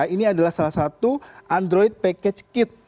ini adalah salah satu android package kit